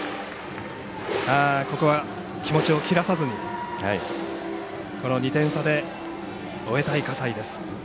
ここは、気持ちを切らさずこの２点差で終えたい葛西です。